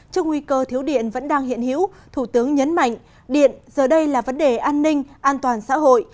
trước nguy cơ thiếu điện vẫn đang hiện hữu thủ tướng nhấn mạnh điện giờ đây là vấn đề an ninh an toàn xã hội